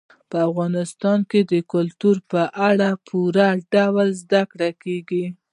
په افغانستان کې د کلتور په اړه په پوره ډول زده کړه کېږي.